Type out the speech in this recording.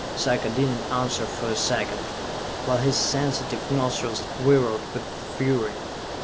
Sarka did not answer for a second, while his sensitive nostrils quivered with fury.